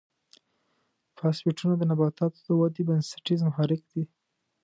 فاسفیټونه د نباتاتو د ودې بنسټیز محرک دی.